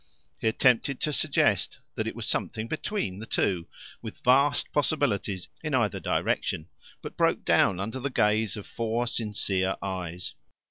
He attempted to suggest that it was something between the two, with vast possibilities in either direction, but broke down under the gaze of four sincere eyes.